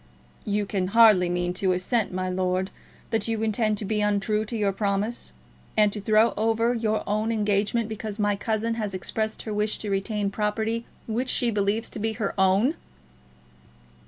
"You can hardly mean to assert, my lord, that you intend to be untrue to your promise, and to throw over your own engagement because my cousin has expressed her wish to retain property which she believes to be her own!"